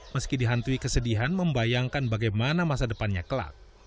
meski dihantui kesedihan membayangkan bagaimana masa depannya kelak